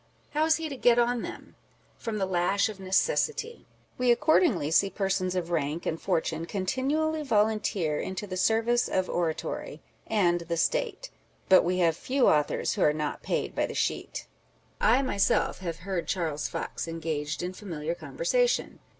How is he to get on, then ? From the lash of necessity. We accordingly see persons of rank and fortune continually volunteer into the service of oratory â€" and the State ; but we have few authors who are not paid by the sheet ! I myself have heard Charles Fox engaged in familiar conversation.